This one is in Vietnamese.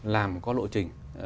làm có lộ trình